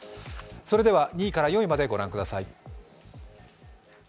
それでは２位から４位までご覧ください。